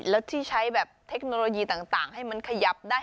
แล้วที่ใช้แบบเทคโนโลยีต่างให้มันขยับได้